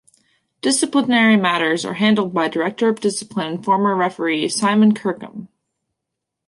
Disciplinary matters are handled by Director of Discipline and former referee Simon Kirkham.